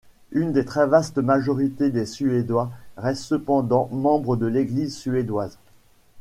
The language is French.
Une très vaste majorité des Suédois restent cependant membres de l'Église suédoise.